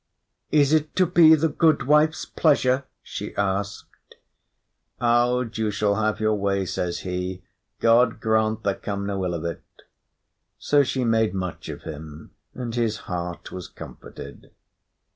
"Is it to be the goodwife's pleasure?" she asked. "Aud, you shall have your way," says he; "God grant there come no ill of it!" So she made much of him, and his heart was comforted.